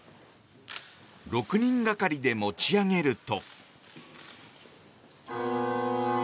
６人がかりで持ち上げると。